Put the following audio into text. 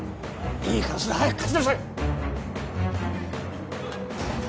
いいからそれ早く貸しなさい！